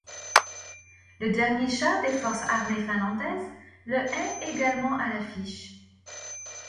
Le dernier char des Forces armées finlandaises, le est également à l'affiche.